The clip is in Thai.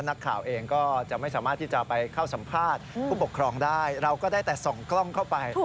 นักข่าวเองก็จะไม่สามารถที่จะไปเข้าสัมภาษณ์ผู้ปกครองได้เราก็ได้แต่ส่องกล้องเข้าไป